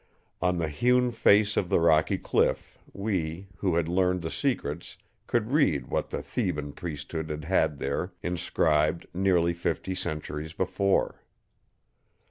On the hewn face of the rocky cliff we, who had learned the secrets, could read what the Theban priesthood had had there inscribed nearly fifty centuries before.